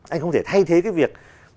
anh không thể thay thế cái việc